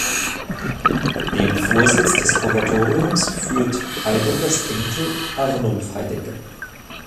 Den Vorsitz des Kuratoriums führt Heideggers Enkel Arnulf Heidegger.